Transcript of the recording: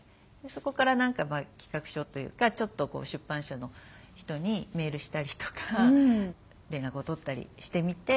そこから何か企画書というかちょっと出版社の人にメールしたりとか連絡を取ったりしてみて「こんなんしませんか？」